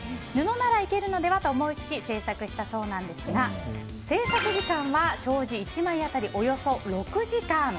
布ならいけるのではと思い付き制作したそうなんですが制作時間は障子１枚当たりおよそ６時間。